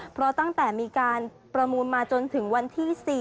เพราะตั้งแต่มีการประมูลมาจนถึงวันที่๔